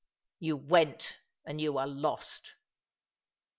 " You went, and you were lost."